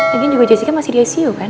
daging juga jessica masih di icu kan